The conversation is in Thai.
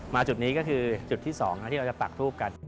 จุดนี้ก็คือจุดที่๒ที่เราจะปักทูบกัน